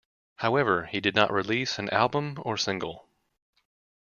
However, he did not release an album or single.